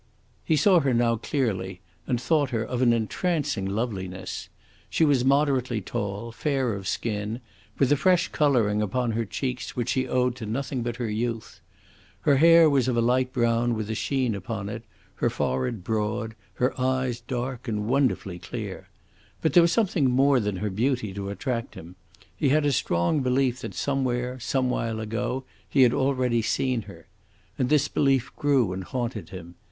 He saw her now clearly, and thought her of an entrancing loveliness. She was moderately tall, fair of skin, with a fresh colouring upon her cheeks which she owed to nothing but her youth. Her hair was of a light brown with a sheen upon it, her forehead broad, her eyes dark and wonderfully clear. But there was something more than her beauty to attract him. He had a strong belief that somewhere, some while ago, he had already seen her. And this belief grew and haunted him.